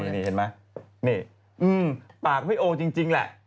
ตรงนี้เห็นไหมปากไอ้โอ้วจริงแหละ